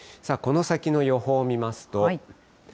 この先の予報を見ますと。